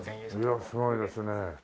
いやすごいですね。